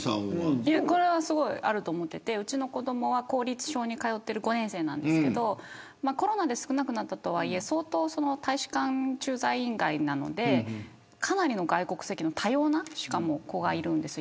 これはすごいあると思っていて家の子どもは公立小に通っている５年生ですがコロナで少なくなったとはいえ大使館駐在員街なのでかなりの外国籍の多様な子がいるんです。